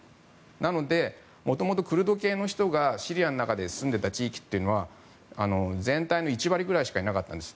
なので、元々クルド系の人がシリアの中で住んでいた地域というのは全体の１割くらいしかいなかったんです。